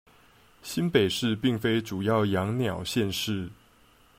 新北市並非主要養鳥縣市